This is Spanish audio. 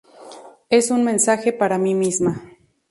Es un mensaje para mí misma.